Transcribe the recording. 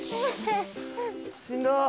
しんどっ！